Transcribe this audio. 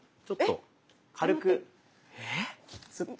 ちょっと軽く。